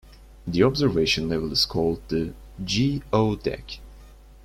The Observation level is called the "GeO-Deck".